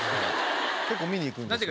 結構見に行くんですけどね。